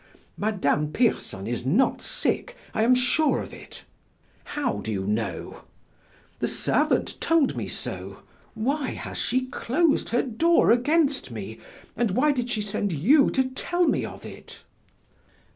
Madame Pierson is not sick, I am sure of it." "How do you know?" "The servant told me so. Why has she closed her door against me, and why did she send you to tell me of it?"